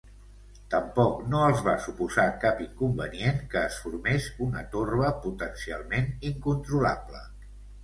Tampoc no els va suposar cap inconvenient que es formés una torba potencialment incontrolable.